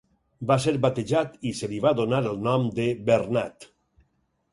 Va ser batejat i se li va donar el nom de Bernat.